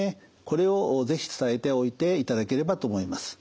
これを是非伝えておいていただければと思います。